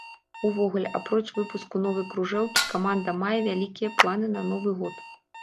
Увогуле, апроч выпуску новай кружэлкі, каманда мае вялікія планы на новы год.